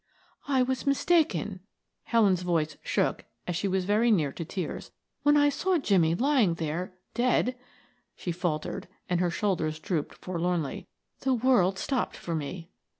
"I was mistaken," Helen's voice shook, she was very near to tears. "When I saw Jimmie lying there, dead" she faltered, and her shoulders drooped forlornly "the world stopped for me."